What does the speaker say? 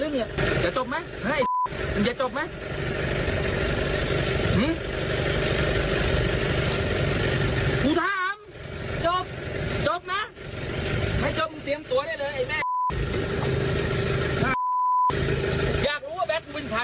มีคลิปออกมาซึ่งเชื่อว่าคนคุณผู้ชมไปดูคลิปที่เกิดเหตุกันก่อนค่ะ